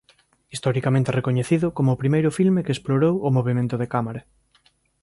Historicamente recoñecido como o primeiro filme que explorou o movemento de cámara.